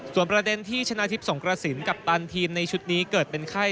ส่วนประเด็นที่ชนะทิพย์สงกระสินกัปตันทีมในชุดนี้เกิดเป็นไข้